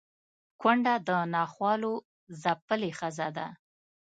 کونډه د ناخوالو ځپلې ښځه ده